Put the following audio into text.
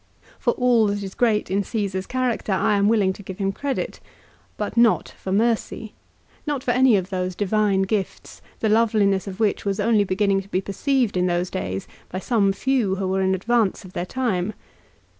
For all that is great in Caesar's character I am willing to give him credit ; but not for mercy ; not for any of those divine gifts the loveliness of which was only beginning to be perceived in those days by some few who were in advance of their time.